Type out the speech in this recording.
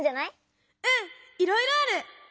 うんいろいろある！